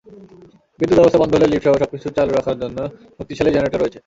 বিদ্যুৎ ব্যবস্থা বন্ধ হলে লিফটসহ সবকিছু চালু রাখার জন্য শক্তিশালী জেনারেটর রয়েছে।